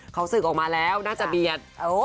เขาศึกออกมาแล้วน่าจะเบียด